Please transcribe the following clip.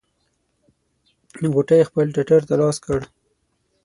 غوټۍ خپل ټټر ته لاس کړ.